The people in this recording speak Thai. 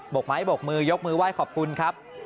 กไม้บกมือยกมือไหว้ขอบคุณครับ